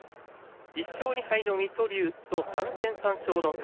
１勝２敗の水戸龍と３戦３勝の宝